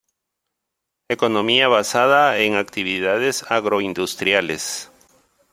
Economía basada en actividades agroindustriales.